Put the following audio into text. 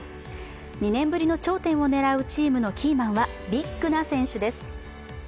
２年ぶりの頂点を狙うチームのキーマンはビッグな選手です。